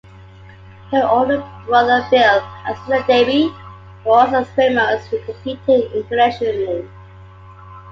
Her other brother Bill and sister Debbie were also swimmers who competed internationally.